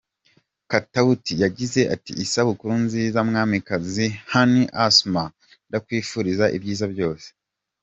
Katauti yagize ati:” Isabukuru nziza mwamikazi Honey Asmah ndakwifuriza ibyiza byose.